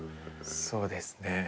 そうですね。